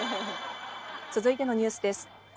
続いてのニュースです。